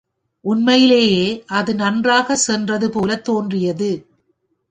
உண்மையிலேயே அது நன்றாக சென்றது போல தோன்றியது.